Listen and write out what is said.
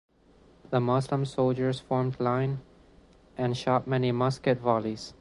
The Muslim soldiers formed line and shot many Musket volleys.